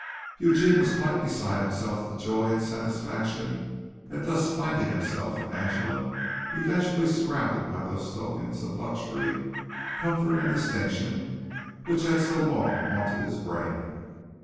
Eugene was quite beside himself with joy and satisfaction at thus finding himself and Angela eventually surrounded by those tokens of luxury, comfort and distinction which had so long haunted his brain.